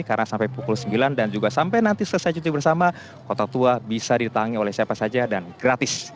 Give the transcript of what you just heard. karena sampai pukul sembilan dan juga sampai nanti selesai cuti bersama kota tua bisa ditangani oleh siapa saja dan gratis